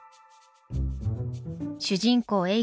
主人公え